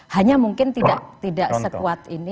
hanya mungkin tidak sekuat ini